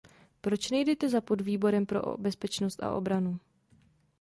Proč nejdete za Podvýborem pro bezpečnost a obranu?